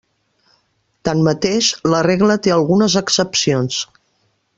Tanmateix, la regla té algunes excepcions.